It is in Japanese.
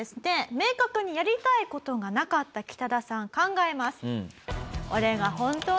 明確にやりたい事がなかったキタダさん考えます。